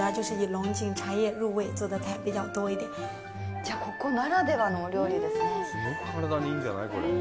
じゃあ、ここならではのお料理ですね！